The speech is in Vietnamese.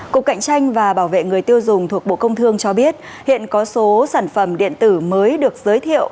cục cạnh tranh và bảo vệ người tiêu dùng thuộc bộ công thương cho biết hiện có số sản phẩm điện tử mới được giới thiệu